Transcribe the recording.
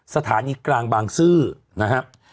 สถานีกลางบางซื่อนะครับ